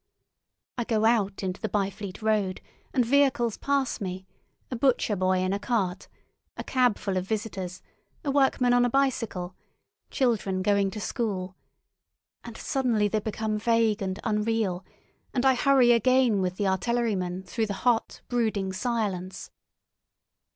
I go out into the Byfleet Road, and vehicles pass me, a butcher boy in a cart, a cabful of visitors, a workman on a bicycle, children going to school, and suddenly they become vague and unreal, and I hurry again with the artilleryman through the hot, brooding silence.